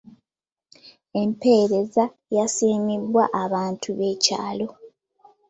Empeereza ye yasiimibwa abantu b'ekyalo.